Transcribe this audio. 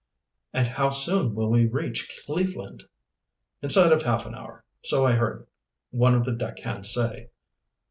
"And how soon will we reach Cleveland?" "Inside of half an hour, so I heard one of the deck hands say."